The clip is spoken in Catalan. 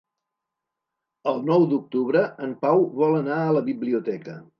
El nou d'octubre en Pau vol anar a la biblioteca.